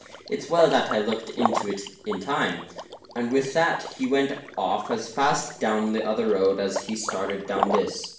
It's well that I looked into it in time." And with that he went off as fast down the other road as he started down this.